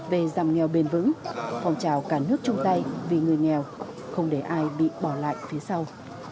về giảm nghèo bền vững phong trào cả nước chung tay vì người nghèo không để ai bị bỏ lại phía sau